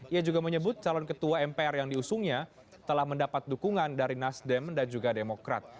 ia juga menyebut calon ketua mpr yang diusungnya telah mendapat dukungan dari nasdem dan juga demokrat